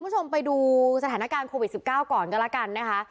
คุณผู้ชมไปดูสถานการณ์โควิด๑๙ก่อนก็แล้วกันนะคะ